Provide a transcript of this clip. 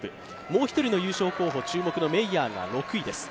もう一人の優勝候補、注目のメイヤーが６位です。